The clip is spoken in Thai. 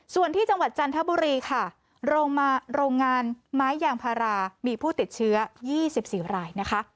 ส่วนที่จังหวัดจันทบุรีค่ะโรงงานไม้ยางพารามีผู้ติดเชื้อ๒๔รายนะคะ